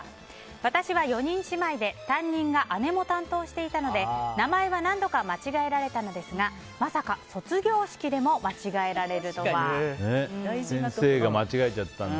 私は４人姉妹で担任が姉も担当していたので名前は何度か間違えられたのですがまさか卒業式でも先生が間違えちゃったんだ。